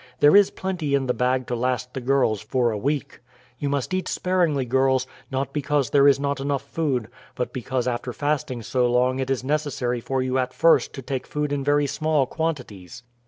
There is plenty in the bag to last the girls for a week. You must eat sparingly, girls, not because there is not enough food, but because after fasting so long it is necessary for you at first to take food in very small quantities."